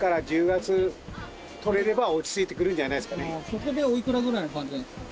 そこでおいくらぐらいな感じなんですか？